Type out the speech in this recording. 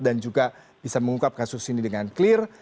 dan juga bisa mengungkap kasus ini dengan clear